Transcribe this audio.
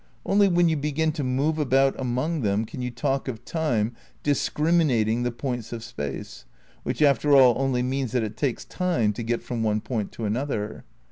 Only when you begin to move about among them can you talk of Time discriminating the points of Space, which after all only means that it takes time to get from one point to another.